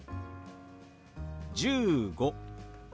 １５。